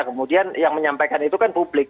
kemudian yang menyampaikan itu kan publik